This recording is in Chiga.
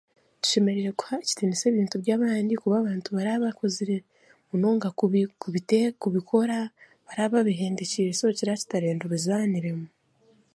Tushemereire kuha ekitinisa ebintu by'abandi kuba abantu barabakozire munonga kubi kubite kubikora, baraababihendekiire so kiraakitarenda obizaaniremu